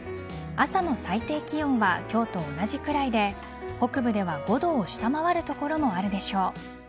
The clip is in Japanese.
朝の最低気温は今日と同じくらいで北部では５度を下回る所もあるでしょう。